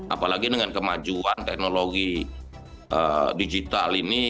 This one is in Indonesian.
apalagi dengan kemajuan teknologi digital ini